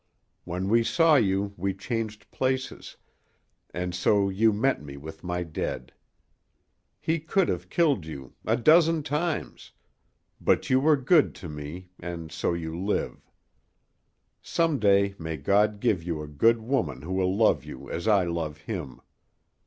When we saw you we changed places, and so you met me with my dead. He could have killed you a dozen times, but you were good to me, and so you live. Some day may God give you a good woman who will love you as I love him.